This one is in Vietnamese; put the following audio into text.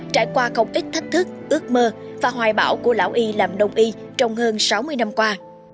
trải qua không ít thách thức ước mơ và hoài bảo của lão y làm đồng y trong hơn sáu mươi năm qua